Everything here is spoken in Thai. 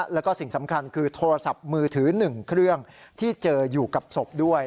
แล้วก็สิ่งสำคัญคือโทรศัพท์มือถือ๑เครื่องที่เจออยู่กับศพด้วย